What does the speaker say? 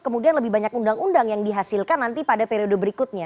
kemudian lebih banyak undang undang yang dihasilkan nanti pada periode berikutnya